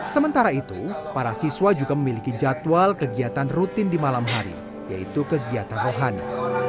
sementara itu para siswa juga memiliki jadwal kegiatan rutin di malam hari yaitu kegiatan rohani